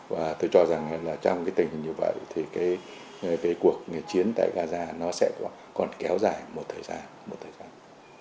và tôi cho rằng là trong cái tình hình như vậy thì cái cuộc chiến tại gaza nó sẽ còn kéo dài một thời gian